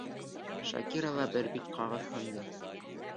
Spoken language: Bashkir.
Шакира ла бер бит ҡағыҙ һондо.